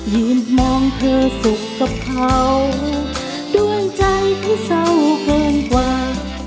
ยืนมองเธอสุขกับเขาด้วยใจที่เศร้าเกินกว่า